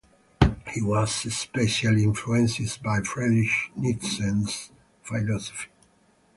He was especially influenced by Friedrich Nietzsche's philosophy.